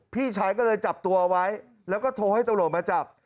พี่ชายก็เลยจับตัวไว้แล้วก็โทรให้ตำรวจมาจับ